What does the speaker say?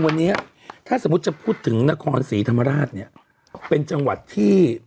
วันนี้ถ้าสมมุติจะพูดถึงนครศรีธรรมราชเนี่ยเป็นจังหวัดที่